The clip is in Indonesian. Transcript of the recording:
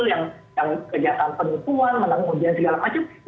yang kejahatan penipuan menanggung ujian segala macam